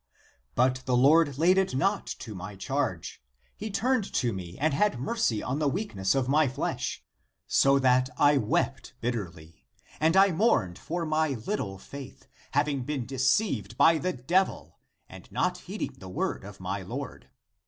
But the Lord laid it not to my charge; he turned to me and had mercy on the weakness of my flesh, so that I wept bitterly; and I mourned for my little faith, having been de ceived by the devil and not heeding the word of my Lord.